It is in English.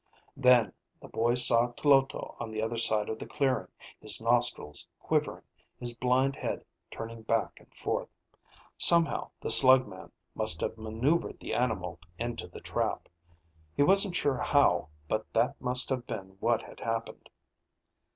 Then the boy saw Tloto on the other side of the clearing, his nostrils quivering, his blind head turning back and forth. Somehow the slug man must have maneuvered the animal into the trap. He wasn't sure how, but that must have been what had happened.